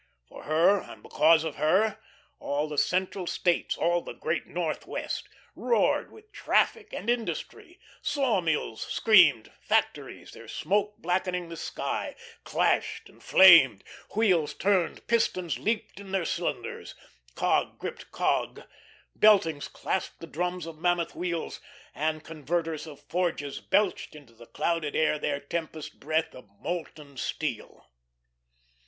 For her and because of her all the Central States, all the Great Northwest roared with traffic and industry; sawmills screamed; factories, their smoke blackening the sky, clashed and flamed; wheels turned, pistons leaped in their cylinders; cog gripped cog; beltings clasped the drums of mammoth wheels; and converters of forges belched into the clouded air their tempest breath of molten steel.